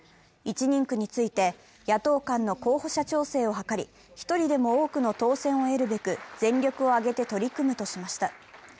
１人区について、野党間の候補者調整を図り１人でも多くの当選をえるべく全力を挙げて取り組むとしました。